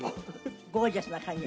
ゴージャスな感じが。